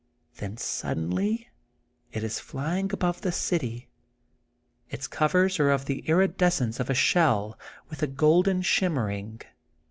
Then suddenly it is flying above the city. Its covers are of the iridescence of a shell, with a golden shimmering.